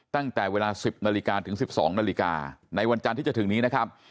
ตั้งแต่เวลา๑๐นาฬิกาถึง๑๒นาฬิกาในวันจันทร์ที่จะถึงนี้นะครับ